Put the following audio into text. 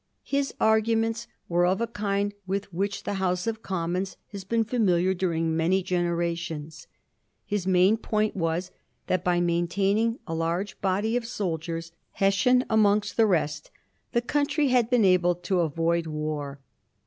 His arguments were of a kind with which the House of Commons has been familiar during many generations. His main point was, that by maintaining a large body of soldiers, Hessian amongst the rest, the country had been enabled to avoid war.